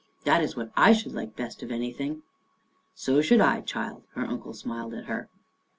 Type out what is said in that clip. That is what I should like best of anything." " So should I, child," her uncle smiled at her.